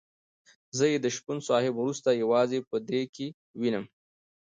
زه یې د شپون صاحب وروسته یوازې په ده کې وینم.